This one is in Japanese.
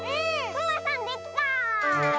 くまさんできた！